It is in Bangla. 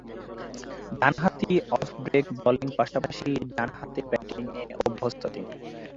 ডানহাতি অফ ব্রেক বোলিংয়ের পাশাপাশি ডানহাতে ব্যাটিংয়ে অভ্যস্ত তিনি।